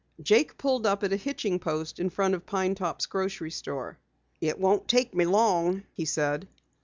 Jake pulled up at a hitching post in front of Pine Top's grocery store. "It won't take me long," he said.